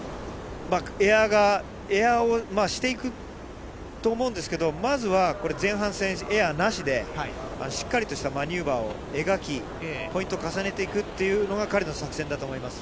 エアーをしていくと思うんですけど、まずはこれ前半戦、エアーなしで、しっかりとしたマニューバーを描き、ポイント重ねていくというのが彼の作戦だと思います。